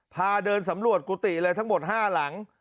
พาเดินสำรวจกุฏิเลยทั้งหมด๕หลัง